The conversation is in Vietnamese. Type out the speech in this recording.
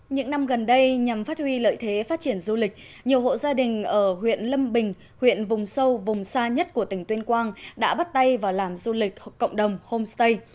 những năm gần đây nhằm phát huy lợi thế phát triển du lịch nhiều hộ gia đình ở huyện lâm bình huyện vùng sâu vùng xa nhất của tỉnh tuyên quang đã bắt tay vào làm du lịch cộng đồng homestay